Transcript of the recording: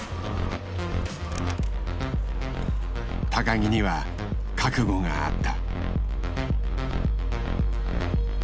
木には覚悟があった。